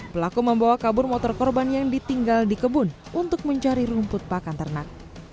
pelaku membawa kabur motor korban yang ditinggal di kebun untuk mencari rumput pakan ternak